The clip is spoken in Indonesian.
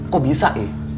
kok bisa ya